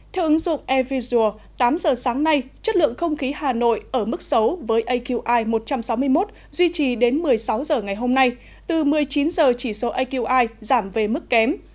theo ứng dụng airvisual tám giờ sáng nay chất lượng không khí hà nội ở mức xấu với aqi một trăm sáu mươi một duy trì đến một mươi sáu h ngày hôm nay từ một mươi chín giờ chỉ số aqi giảm về mức kém